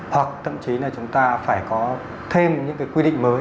hoặc thậm chí là chúng ta phải có thêm những cái quy định mới